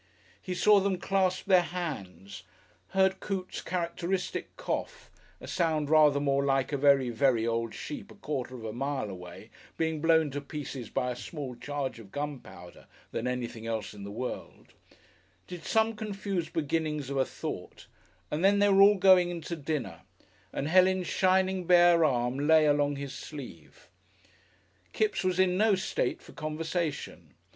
He saw them clasp their hands, heard Coote's characteristic cough a sound rather more like a very, very old sheep, a quarter of a mile away, being blown to pieces by a small charge of gunpowder than anything else in the world did some confused beginnings of a thought, and then they were all going in to dinner and Helen's shining bare arm lay along his sleeve. Kipps was in no state for conversation.